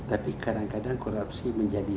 tapi kadang kadang korupsi menjadi